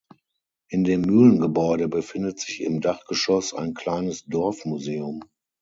In dem Mühlengebäude befindet sich im Dachgeschoss ein kleines Dorfmuseum.